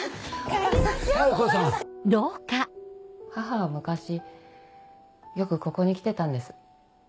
母は昔よくここに来てたんです。